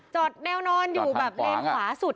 จอดแนวนอนเนยอยู่แบบแรงขวาสุด